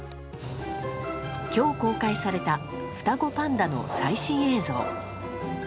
今日公開された双子パンダの最新映像。